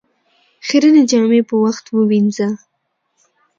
خيرنې جامې په وخت ووينځه